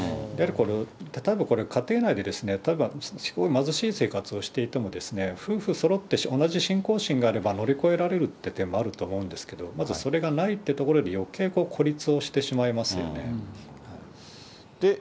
例えばこれ、家庭内で非常に貧しい生活をしていても、夫婦そろって、同じ信仰心があれば、乗り越えられるっていう点もあると思うんですけど、まずそれがないっていうところでよけい孤立をしてしまいますよね。